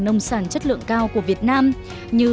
nông sản chất lượng cao của việt nam như